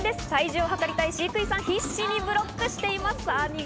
体重を測りたい飼育員さん、必死にブロックしています。